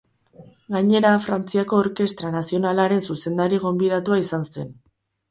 Gainera, Frantziako Orkestra Nazionalaren zuzendari gonbidatua izan zen.